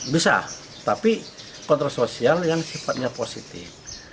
bisa tapi kontrol sosial yang sifatnya positif